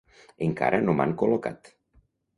Encara no m'han col·locat.